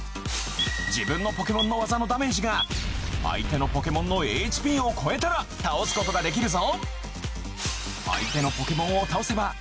自分のポケモンのワザのダメージが相手のポケモンのＨＰを超えたら倒すことができるぞ